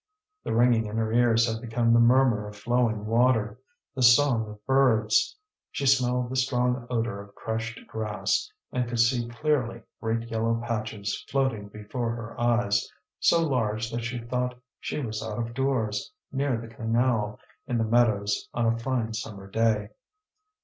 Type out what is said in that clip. The ringing in her ears had become the murmur of flowing water, the song of birds; she smelled the strong odour of crushed grass, and could see clearly great yellow patches floating before her eyes, so large that she thought she was out of doors, near the canal, in the meadows on a fine summer day.